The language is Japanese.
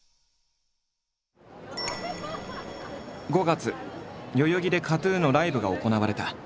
５月代々木でＫＡＴ−ＴＵＮのライブが行われた。